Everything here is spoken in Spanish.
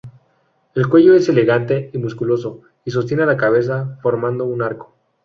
El cuello es elegante y musculoso, y sostiene a la cabeza formando un arco.